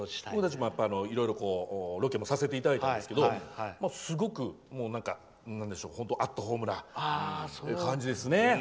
いろいろロケもさせていただいたんですけどすごくアットホームな感じですね。